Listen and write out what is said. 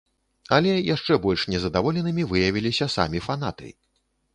Але яшчэ больш незадаволенымі выявіліся самі фанаты.